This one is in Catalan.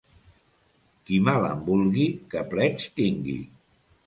Qui mal em vulgui que plets tingui.